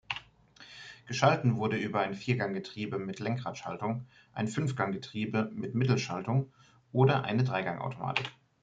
Geschaltet wurde über ein Vierganggetriebe mit Lenkradschaltung, ein Fünfganggetriebe mit Mittelschaltung oder eine Dreigangautomatik.